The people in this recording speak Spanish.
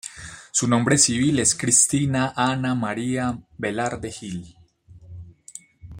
Su nombre civil es Cristina Ana María Velarde Gil.